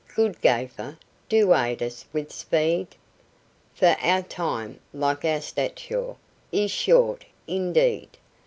"Good gaffer, do aid us with speed, For our time, like our stature, is short indeed!